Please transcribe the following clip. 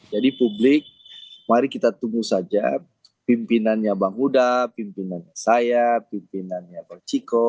jadi publik mari kita tunggu saja pimpinannya bang huda pimpinannya saya pimpinannya pak ciko